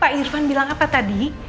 pak irvan bilang apa tadi